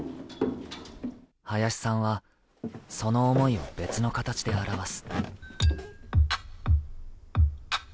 林さんは、その思いを別の形で表す。